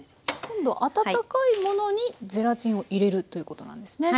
今度温かいものにゼラチンを入れるということなんですね。